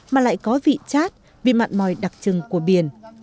mà lại có vị chát vì mặn mòi đặc trưng của biển